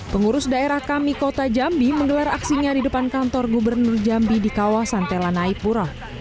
pengurus daerah kami kota jambi menggelar aksinya di depan kantor gubernur jambi di kawasan telanaipura